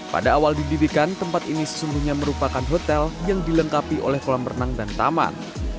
pada awal didirikan tempat ini sesungguhnya merupakan hotel yang dilengkapi oleh kolam renang dan taman